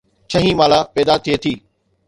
ڇهين مالا پيدا ٿئي ٿي